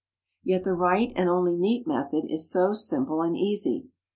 Yet the right and only neat method is so simple and easy!